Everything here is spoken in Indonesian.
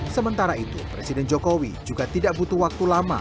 sementara itu presiden jokowi juga tidak butuh waktu lama